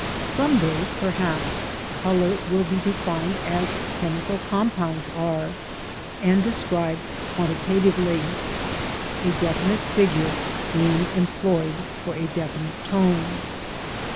Some day, perhaps, colour will be defined as chemical compounds are, and described quantitatively, a definite figure being employed for a definite tone.